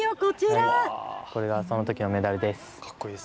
こちら、これがそのときのメダルです。